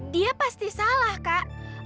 dia pasti salah kak